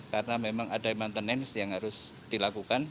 karena memang ada maintenance yang harus dilakukan